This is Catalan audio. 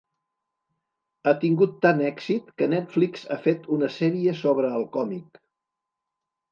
Ha tingut tant èxit que Netflix ha fet una sèrie sobre el còmic.